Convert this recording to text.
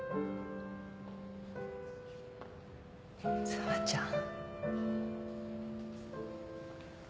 紗和ちゃん。